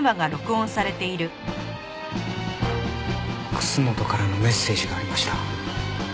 楠本からのメッセージがありました。